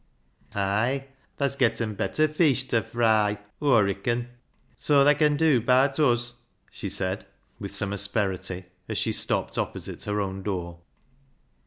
" Ay ! tha's getten bet ter feesh ta fry. Aw reacon. Soa thaa con dew baat uz," she said with some asperity, as she stopped opposite her own door.